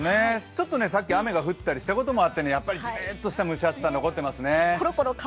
ちょっとさっき雨が降ったりしたこともあってやっぱりじめっとした蒸し暑さ、残ってますね。